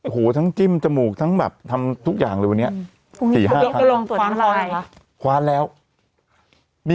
โอ้โหทั้งจิ้มจมูกทั้งแบบทำทุกอย่างเลยวันนี้